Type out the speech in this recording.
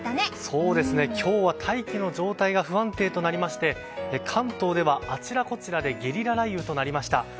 今日は大気の状態が不安定となりまして関東では、あちらこちらでゲリラ雷雨となりました。